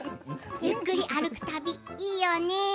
ゆっくり歩く旅、いいよね。